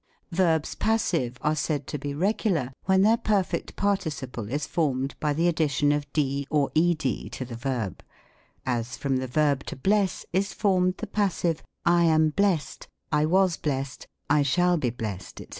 Verbs Passive are said to be regular, when thei» perfect participle is formed by the addition of d, or ed to the verb : as, from the verb " To bless," is formed the passive, "I am blessed, I was blessed, I shall be blessed," &c.